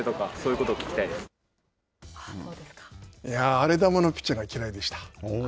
荒れ球のピッチャーが嫌いでした。